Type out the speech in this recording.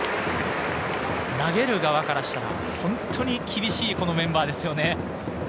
投げる側からしても本当に厳しいメンバーですよね。